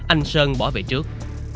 anh sơn bỏ về trước